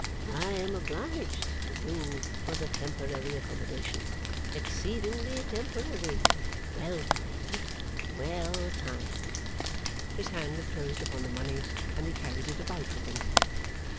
I am obliged to you for the temporary accommodation. Exceedingly temporary, but well timed well timed.' His hand had closed upon the money, and he carried it about with him.